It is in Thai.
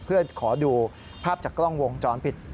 เพื่อขอดูภาพจากกล้องวงจรปิด